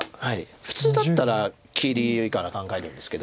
普通だったら切りから考えるんですけど。